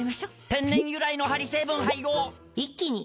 天然由来のハリ成分配合一気に！